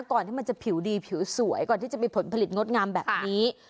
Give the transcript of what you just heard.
ที่มันจะผิวดีผิวสวยก่อนที่จะมีผลผลิตงดงามแบบนี้